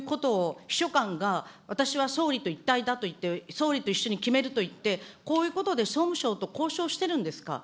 なんで官邸の中からこういうことを、秘書官が、私は総理と一体だといって、総理と一緒に決めると言って、こういうことで総務省と交渉してるんですか。